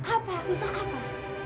apa susah apa